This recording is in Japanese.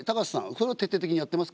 それは徹底的にやってますか？